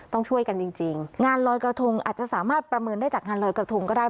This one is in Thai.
ต้องช่วยกันจริงงานลอยกระทงอาจจะสามารถประเมินได้จากงานลอยกระทงก็ได้